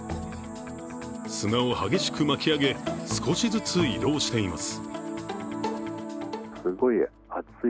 砂を激しく巻き上げ、少しずつ移動しています。